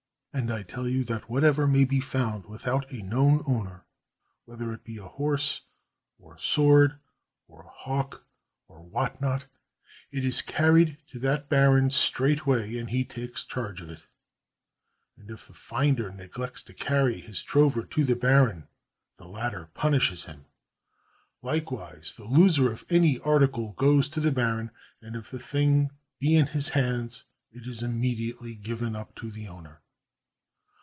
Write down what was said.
And I tell you that whatever may be found without a known owner, whether it be a horse, or a sword, or a hawk, or what not, it is carried to that baron straightway, and he takes charge of it. And if the finder neglects to carry his trover to the baron, the latter punishes him. Likewise the loser of any article goes to the baron, and if the thing be in his hands, it is immediately given up to the owner.